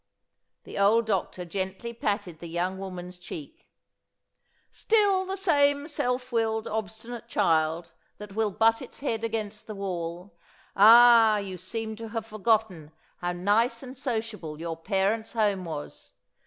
The old doctor gently patted the young woman's cheek. "Still the same self willed, obstinate child that will butt its head against the wall. Ah, you seem to have forgotten how nice and sociable your parents' home was.